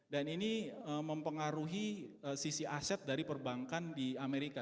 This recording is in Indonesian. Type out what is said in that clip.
dan ini mempengaruhi sisi aset dari perbankan di amerika